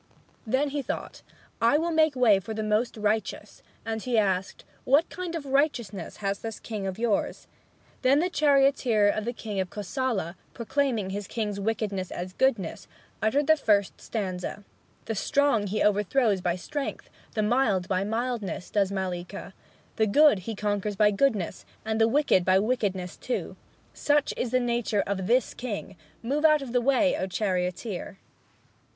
Then he thought, "I will make way for the most righteous." And he asked, "What kind of righteousness has this king of yours?" Then the chorister of the king of Kosala, proclaiming his king's wickedness as goodness, uttered the First Stanza: "The strong he overthrows by strength, The mild by mildness, does Mallika; The good he conquers by goodness, And the wicked by wickedness too. Such is the nature of this king! Move out of the way, O charioteer!"